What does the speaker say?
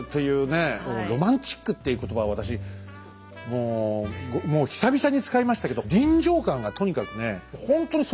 こうロマンチックっていう言葉を私もうもう久々に使いましたけど臨場感がとにかくね